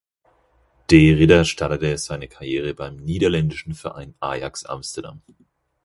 De Ridder startete seine Karriere beim niederländischen Verein Ajax Amsterdam.